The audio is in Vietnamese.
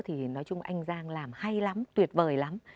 thì nói chung anh giang làm hay lắm tuyệt vời lắm